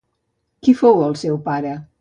Qui fou el seu pare?